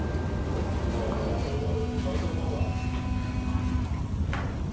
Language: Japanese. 柳沼は我々の仲間だ。